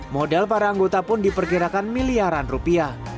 modal para anggota pun diperkirakan miliaran rupiah